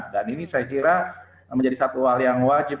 dan ini saya kira menjadi satu hal yang wajib